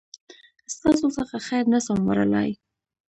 ستاسو څخه خير نسم وړلای